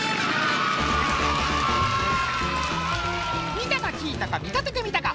みたかきいたかみたててみたか！